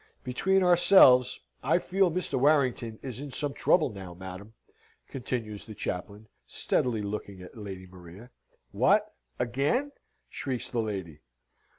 "Between ourselves, I fear Mr. Warrington is in some trouble now, madam," continues the chaplain, steadily looking at Lady Maria. "What, again?" shrieks the lady.